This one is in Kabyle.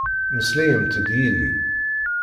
Meslayemt-d yid-i.